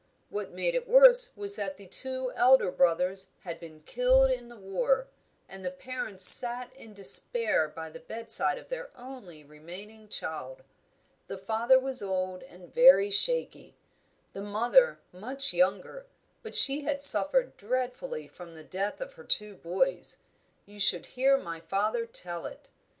What made it worse was that two elder brothers had been killed in the war, and the parents sat in despair by the bedside of their only remaining child. The father was old and very shaky; the mother much younger, but she had suffered dreadfully from the death of her two boys you should hear my father tell it!